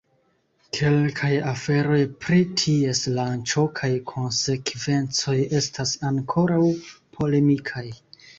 Kelkaj aferoj pri ties lanĉo kaj konsekvencoj estas ankoraŭ polemikaj.